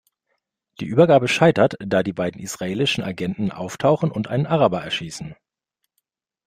Die Übergabe scheitert, da die beiden israelischen Agenten auftauchen und einen Araber erschießen.